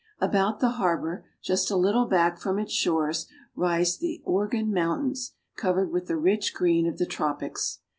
About the harbor, just a little back from its shores, rise the Organ Mountains, covered with the rich green of the tropics.